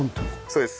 そうです。